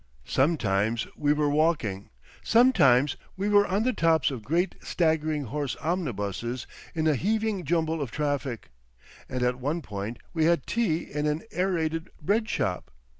Sometimes we were walking, sometimes we were on the tops of great staggering horse omnibuses in a heaving jumble of traffic, and at one point we had tea in an Aerated Bread Shop.